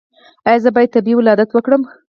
ایا زه باید طبیعي ولادت وکړم؟